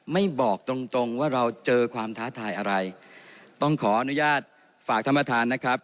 ไม่บอกตรงตรงว่าเราเจอความท้าทายอะไรต้องขออนุญาตฝากท่านประธานนะครับ